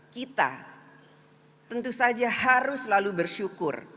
kita tentu saja harus selalu bersyukur